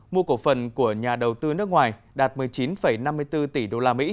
mua cổ phần của nhà đầu tư nước ngoài đạt một mươi chín năm mươi bốn tỷ usd